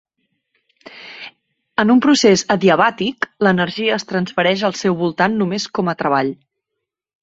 En un procés adiabàtic, l'energia es transfereix al seu voltant només com a treball.